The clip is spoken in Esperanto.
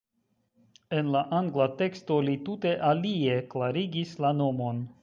En la angla teksto li tute alie klarigis la nomon.